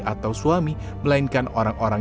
atau suami melainkan orang orang